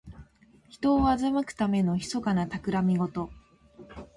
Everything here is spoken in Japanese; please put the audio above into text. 人を欺くためのひそかなたくらみごと。